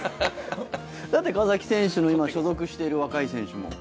川崎選手の所属している若い選手も。